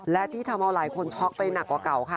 และที่ทำเอาหลายคนช็อกไปหนักกว่าเก่าค่ะ